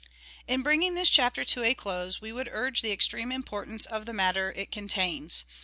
In bringing this chapter to a close we would urge the extreme importance of the matter it contains.